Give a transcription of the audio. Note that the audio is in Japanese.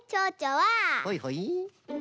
はいはい。